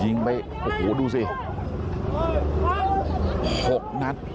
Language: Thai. ยิงไปโอหูดูสิหกนัท